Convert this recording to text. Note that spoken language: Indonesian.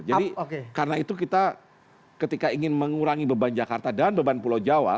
jadi karena itu kita ketika ingin mengurangi beban jakarta dan beban pulau jawa